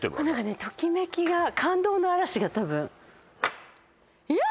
ときめきが感動の嵐が多分いやっ！